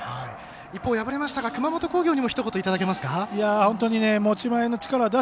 敗れた熊本工業にもひと言いただけますか。